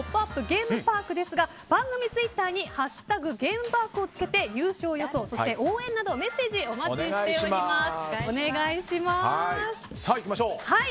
ゲームパークですが番組ツイッターに「＃ゲームパーク」を付けて優勝予想、応援などメッセージお待ちしております。